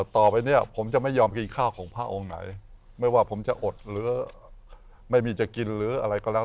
ต่อไปเนี่ยผมจะไม่ยอมกินข้าวของพระองค์ไหนไม่ว่าผมจะอดหรือไม่มีจะกินหรืออะไรก็แล้ว